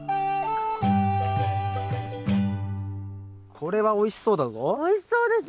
これはおいしそうだぞ。